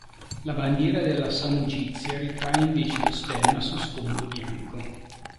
La bandiera della Samogizia ritrae invece lo stemma su sfondo bianco.